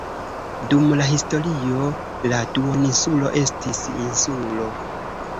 Dum la historio la duoninsulo estis insulo.